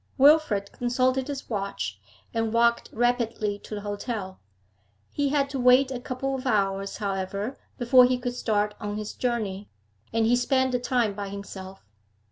Wilfrid consulted his watch, and walked rapidly to the hotel. He had to wait a couple of hours, however, before he could start on his journey, and he spent the time by himself.